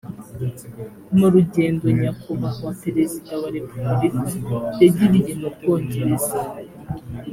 mu rugendo nyakubahwa perezida wa repubulika yagiriye mu bwongereza